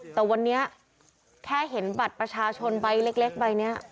แต่วันนี้แค่เห็นบัตรประชาชนใบเล็กใบนี้